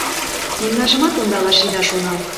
Мемнажымат ондалалаш ида шонал.